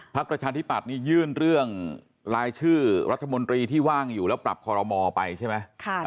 ประชาธิปัตย์นี่ยื่นเรื่องรายชื่อรัฐมนตรีที่ว่างอยู่แล้วปรับคอรมอลไปใช่ไหม